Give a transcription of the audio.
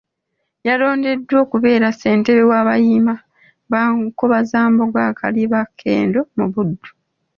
Yalondeddwa okubeera ssentebe w'abayima ba Nkobazambogo Akalibaakendo mu Buddu